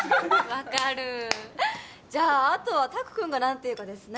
分かるじゃああとは拓君が何て言うかですね